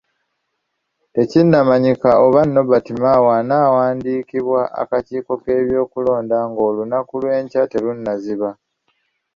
Tekinnamanyika oba Nobert Mao anaawandiikibwa akakiiko k'ebyokulonda ng'olunaku lw'enkya terunnaziba.